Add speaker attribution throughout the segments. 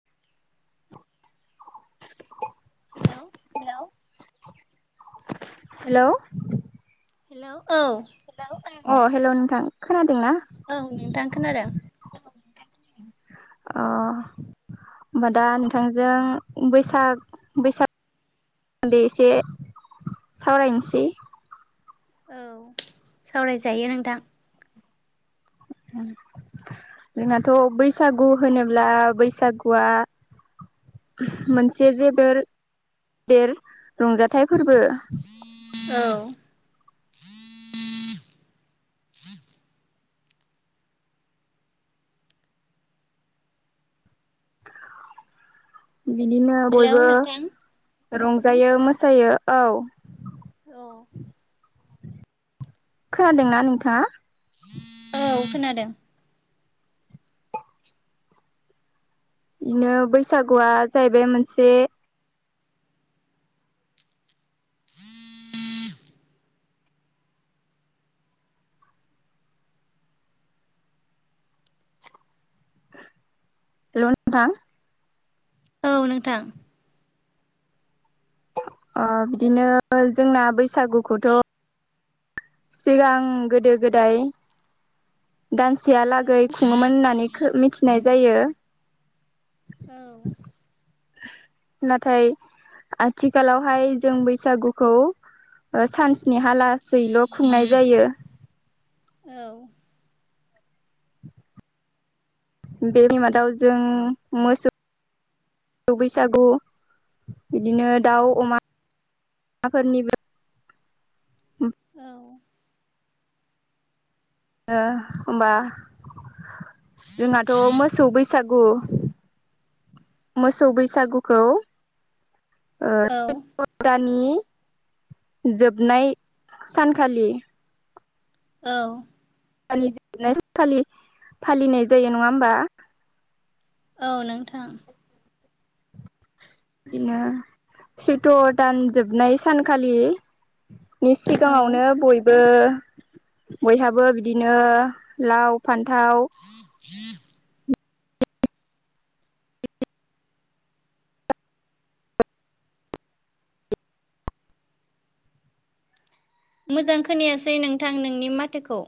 Speaker 1: [inaudible]
Speaker 2: Hello
Speaker 1: hello
Speaker 2: hello औ
Speaker 1: अ' hello नोंथां खोनादों?
Speaker 2: औ नोंथां खोनादों।
Speaker 1: अ' होमबा दा नोंथांजों बैसाग बैसाग सोमोन्दै एसे सावरायनोसै।
Speaker 2: औ सावरायजायो नोंथां।
Speaker 1: उम जोंनाथ' बैसागु होनोब्ला बैसागुआ [unintelligible] मोनसे जेबोर देर रंजाथाइ फोरबो
Speaker 2: औ
Speaker 1: बिदिनो
Speaker 2: हेलौ
Speaker 1: बयबो
Speaker 2: नोंथां
Speaker 1: रंजायो मोसायो औ
Speaker 2: औ
Speaker 1: खोनादोंना नोंथाङा
Speaker 2: [unintelligible] औ खोनादों
Speaker 1: बिदिनो बैसागुआ जाहैबाय मोनसे हेलौ नोंथां
Speaker 2: औ नोंथां
Speaker 1: अ' बिदिनो जोंना बैसागुखौथ' सिगां गोदो गोदाय
Speaker 2: औ
Speaker 1: दानसेयालागै खुङोमोन होननानै खो मिथिनाय जायो
Speaker 2: औ
Speaker 1: नाथाय आथिखालावहाय जों बैसागुखौ ओ सानस्नि हालासैल' खुंनाय जायो
Speaker 2: औ
Speaker 1: बे बिमादाव जों मोसौ बैसागु बिदिनो दाउ अमा फोरनिबो
Speaker 2: औ
Speaker 1: ओ होनबा जोंहाथ' मोसौ बैसागु मोसौ बैसागुखौ ओ
Speaker 2: औ
Speaker 1: [unintelligible] जोबनाय सानखालि
Speaker 2: औ
Speaker 1: लि जोबनाय सानखालि फालिनाय जायो नङा होमबा
Speaker 2: औ नोंथां
Speaker 1: बिदिनो सैथ' दान जोबनाय सानखालि नि
Speaker 2: औ
Speaker 1: सिगाङावनो बयबो बयहाबो बिदिनो लाव फान्थाव
Speaker 2: मोजां खोनायासै नोंथां नोंनि माथोखौ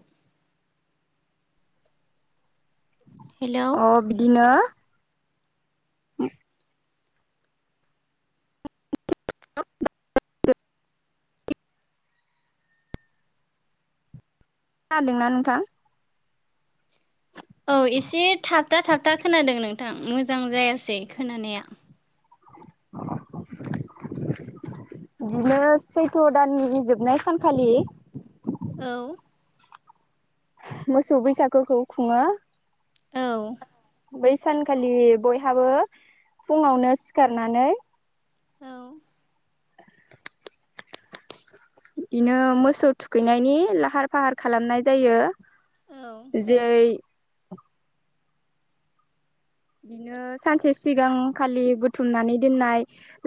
Speaker 2: हेलौ
Speaker 1: अ' बिदिनो [unintelligible] खोनादोंना नोंथां
Speaker 2: औ एसे थाबथा थाबथा खोनादों नोंथां मोजां जायासै खोनानाया
Speaker 1: [unintelligible] बिदिनो सैथ' दाननि जोबनाय सानखालि
Speaker 2: औ
Speaker 1: मोसौ बैसागोखौ खुङो
Speaker 2: औ
Speaker 1: बै सानखालि बयहाबो फुङावनो सिखारनानै
Speaker 2: औ
Speaker 1: बिदिनो मोसौ थुखैनायनि लाहार फाहार खालामनाय जायो
Speaker 2: औ
Speaker 1: जै बिदिनो सानसे सिगां खालि बुथुमनानै दोननाय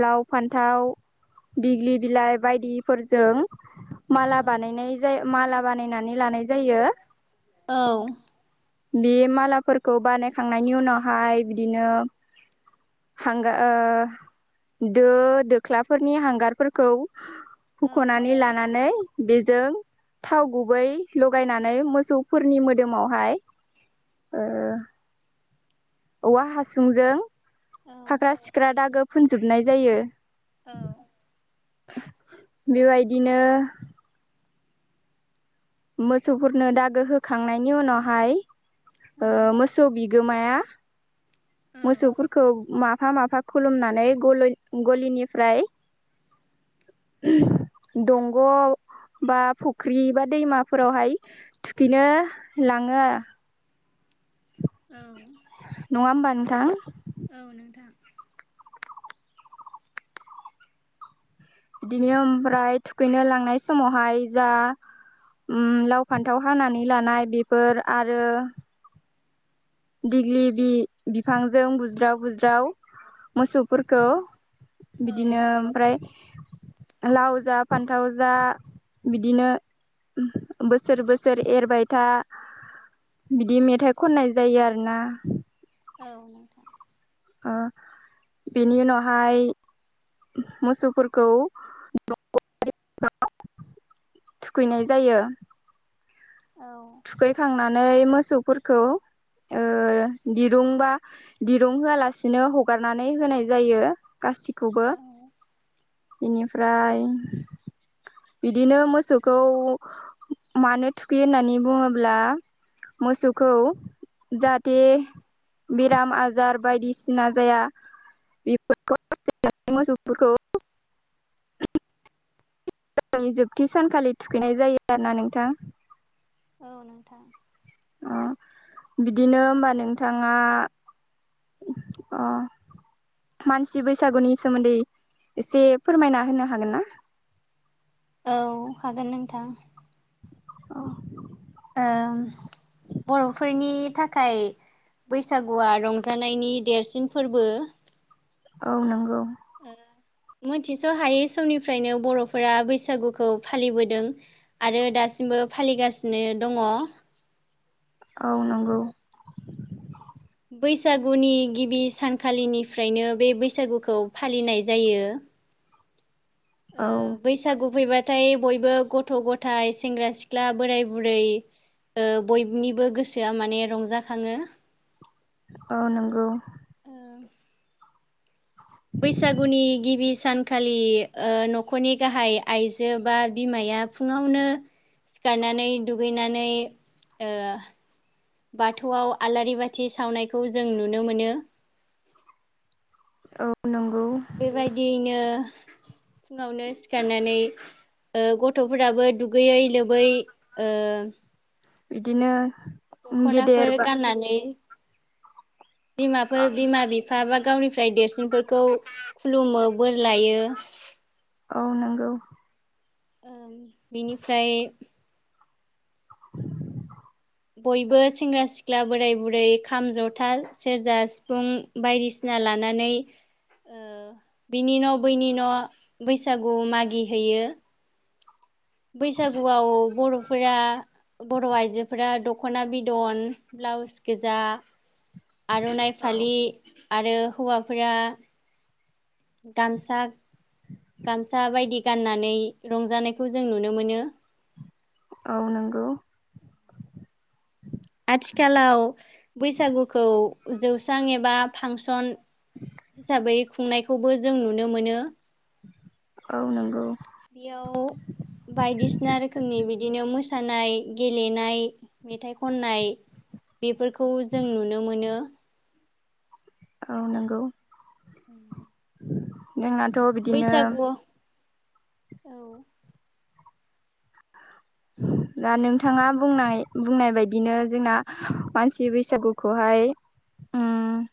Speaker 1: लाव फान्थाव दिग्लि बिलाइ बायदिफोरजों माला
Speaker 2: औ
Speaker 1: बानायनाय जायो माला बानायनानै लानाय जायो
Speaker 2: औ
Speaker 1: बे मालाफोरखौ बानायखांनायनि उनावहाय बिदिनो ओ दो दोख्लाफोरनि हांगारफोरखौ हुख'नानै लानानै बेजों थाव गुबै लगायनानै मोसौफोरनि मोदोमावहाय ओ औवा हासुंजों
Speaker 2: औ
Speaker 1: फाख्रा सिख्रा दागो फोनजोबनाय जायो।
Speaker 2: औ।
Speaker 1: बेबायदिनो मोसौफोरनो दागो होखांनायनि उनावहाय
Speaker 2: औ
Speaker 1: ओ मोसौ बि गोमाया
Speaker 2: औ
Speaker 1: मोसौफोरखौ माफा माफा खुलुमनानै गलिनिफ्राय दंग' बा फुख्रि बा दैमाफोरावहाय थुखैनो लाङो।
Speaker 2: औ।
Speaker 1: नङा होमबा नोंथां।
Speaker 2: औ नोंथां
Speaker 1: बिदिनो ओमफ्राय थुखैनो लांनाय समावहाय जा उम लाव फानन्थाव हानानै लानाय बेफोर आरो दिग्लि बि बिफांजों बुज्राव बुज्राव मोसौफोरखौ
Speaker 2: औ
Speaker 1: बिदिनो
Speaker 2: औ
Speaker 1: ओमफ्राय लाव जा फान्थाव जा बिदिनो [unintelligible] बोसोर बोसोर एरबाय था बिदि मेथाइ खननाय- आरो ना।
Speaker 2: औ नोंथां।
Speaker 1: ओ बेनि उनावहाय मोसौफोरखौ [inaudible] थुखैनाय जायो।
Speaker 2: ओ।
Speaker 1: नै मोसौफोरखौ ओ दिरुंबा दिरुं होआलासिनो हगारनानै होनाय जायो। गासिखौबो बेनिफ्राय बिदिनो मोसौखौ मानो थुखैयो होननानै बुङोब्ला मोसौखौ जाहाथे
Speaker 2: औ
Speaker 1: बेराम आजार बायदिसिना जाया बेफोरखौ [unintelligible] मोसौफोरखौ जोबथि सानखालि थुखैनाय जायो आरो ना नोंथां।
Speaker 2: औ नोंथां।
Speaker 1: अ बिदिनो होमबा नोंथाङा [unintelligible] अ' मानसि बैसागुनि सोमोन्दै एसे फोरमायना होनो हागोन ना?
Speaker 2: औ हागोन नोंथां।
Speaker 1: अ।
Speaker 2: [unintelligible] बर'फोरनि थाखाय बैसागुआ रंजानायनि देरसिन फोरबो
Speaker 1: औ नंगौ।
Speaker 2: औ। मोनथिस' हायै समनिफ्रायनो बर'फोरा बैसागुखौ फालिबोदों। आरो दासिम सिमबो फालिगासिनो दङ।
Speaker 1: औ नंगौ।
Speaker 2: बैसागुनि गिबि सानखालिनिफ्रायनो बे बैसागुखौ फालिनाय जायो।
Speaker 1: औ
Speaker 2: बैसागु फैबा नाथाय बयबो गथ' गथाय सेंग्रा सिख्ला बोराय बुरै बयनिबो गोसोआ माने रंजाखाङो।
Speaker 1: औ नंगौ।
Speaker 2: औ बैसागुनि गिबि सानखालि न'खरनि गाहाय आइजो बा बिमाया फुङावनो सिखारनानै दुगैनानै ओ बाथौआव आलारि बाथि सावनायखौ जों नुनो मोनो।
Speaker 1: औ [unintelligible]
Speaker 2: बेबायदियैनो फुङावनो सिखारनानै गथ'फोराबो दुगैयै लोबै ओ
Speaker 1: बिदिनो गेदेर
Speaker 2: दखनाफोर
Speaker 1: बा
Speaker 2: गाननानै बिमाफोर
Speaker 1: औ
Speaker 2: बिमा बिफा बा गावनि ओमफ्राय देरसिनफोरखौ खुलुमो बोर लायो
Speaker 1: औ नंगौ
Speaker 2: ओं बेनिफ्राय बयबो सेंग्रा सिख्ला बोराय बुरै खाम जथा सेरजा सिफुं बायदिसिना ला लानानै बिनि न' बैनि न' बैसागु मागि हैैयो। बैसागुआव बर'फोरा बर' आइजोफोरा दख'ना बिदन ब्लाउस गोजा
Speaker 1: [inaudible]
Speaker 2: आर'नाइ
Speaker 1: औ
Speaker 2: फालि आरो हौवाफोरा गामसाा गामसा बायदि गाननानै रंजानायखौ जों नुनो मोनो
Speaker 1: औ नंगौ।
Speaker 2: आथिखालाव बैसागुखौ जौस्रां एबा फांसन हिसाबै खुंनायखौबो जों नुनो मोनो।
Speaker 1: औ नंगौ।
Speaker 2: बियाव बायदिसिना रोखोमनि बिदिनो मोसानाय गेलेनाय मेथाइ खननाय
Speaker 1: [inaudible]
Speaker 2: बेफोरखौ जों नुनो मोनो
Speaker 1: औ नंगौ।
Speaker 2: [unintelligible]
Speaker 1: जोंनाथ' बिदिनो
Speaker 2: बैसागु औ
Speaker 1: [inaudible] दा नोंथाङा बुंनाय बुंनाय बदिनो जोंना मानसि बैसागुखौहाय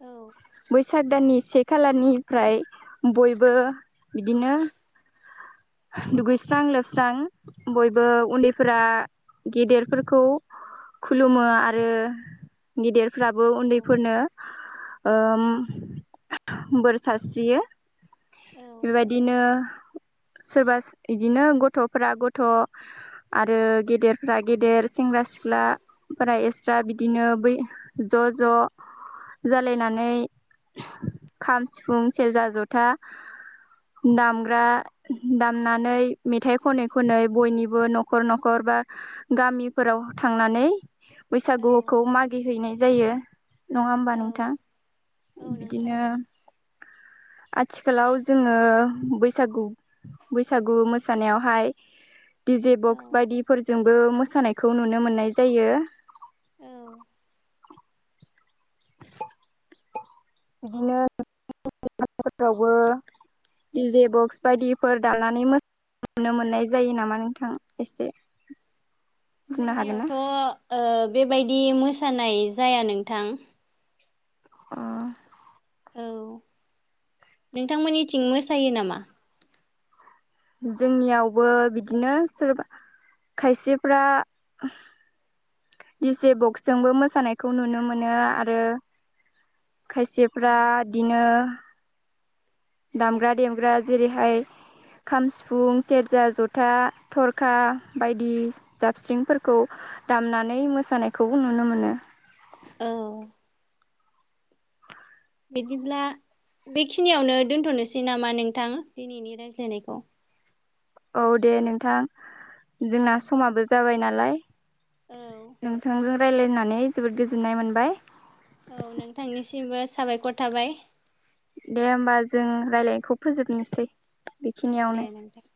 Speaker 2: औ
Speaker 1: साग दाननि से खालनिफ्राय बयबो बिदिनो दुगैस्रां लोबस्रां बयबो उन्दैफोरा गेदेरफोरखौ खुलुमो आरो गेदिर फोराबो
Speaker 2: औ
Speaker 1: उन्दैफोरनो ओम बोर सारस्रियो
Speaker 2: औ
Speaker 1: बेबायदिनो। सोरबा बिदिनो गथ'फ्रा गथ' आरो गेदेरफ्रा गेदेर सेंग्रा सेंग्रा सिख्लाफोरा एक्सट्रा बिदिनो बै ज' ज' जालायनानै खाम सिफुं सेरजा जथा दामग्रा दामनानै मेथाइ खनै खनै बयनिबो न'खर न'खर बा गामिफोराव थांनानै
Speaker 2: औ
Speaker 1: बैसागुखौ मागि हैैनाय जायो नङा होमबा
Speaker 2: औ
Speaker 1: नोंथां
Speaker 2: औ नोंथां
Speaker 1: बिदिनो आथिखालाव जोङो बैसागु बैसागु मोसानायावहाय डिजे
Speaker 2: औ
Speaker 1: बक्स बायदिफोरजोंबो मोसानायखौ नुनो मोननाय जायो
Speaker 2: औ।
Speaker 1: बिदिनो [inaudible] फोरावबो दि जे बक्स बायदिफोर दानानै मो -नुनो मोननाय जायो नामा नोंथां एसे- बुंनो हागोन ना
Speaker 2: जोंनियावथ' बेबायदि मोसानाय जाया नोंथां।
Speaker 1: उम
Speaker 2: औ नोंथांमोननिथिं मोसायो नामा?
Speaker 1: जोंनियावबो बिदिनो सोरबा -खायसेफ्रा- दिजे बक्सजोंबो मोसानायखौबो नुनो मोनो आरो खायसेफ्रा बिदिनो दामग्रा देग्रा जेरैहाय खाम सिफुं सेरजा जथा थरखा बायदि जाबस्रिंफोरखौ दामनानै मोसानायखौ नुनो मोनो
Speaker 2: औ। बिदिब्ला बेखिनियावनो दोनथ'नोसै नामा नोंथां दिनैनि रायज्लायनायखौ?
Speaker 1: औ दे नोंथां जोंना समाबो जाबाय नालाय।
Speaker 2: औ
Speaker 1: नोंथांजों राय्लायनानै जोबोद गोजोननाय मोनबाय
Speaker 2: औ नोंथांनिसिमबो साबायखर थाबाय।
Speaker 1: दे होमबा जों रायज्लायनायखौ फोजोबनोसै।
Speaker 2: औ दे
Speaker 1: बेखिनियावनो
Speaker 2: नोंथां।